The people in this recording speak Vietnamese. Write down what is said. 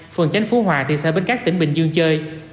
phường tránh phú hòa thị xã bến cát tỉnh bình dương chơi